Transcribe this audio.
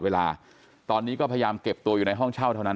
เวลาตอนนี้ก็พยายามเก็บตัวอยู่ในห้องเช่าเท่านั้น